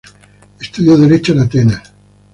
Estudió derecho en Atenas.